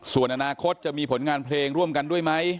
ส่วนอนาคตจะมีผลงานเพลงร่วมกันด้วยไหม